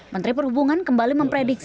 menteri perhubungan kembali memperhatikan